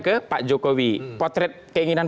ke pak jokowi potret keinginan